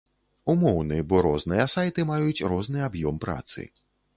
Умоўны, бо розныя сайты маюць розны аб'ём працы.